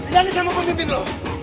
dengerin sama pemimpin lo